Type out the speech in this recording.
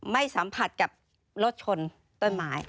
ไม่สัมผัสกับรถชนต้นไม้